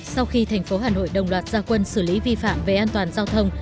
sau khi thành phố hà nội đồng loạt gia quân xử lý vi phạm về an toàn giao thông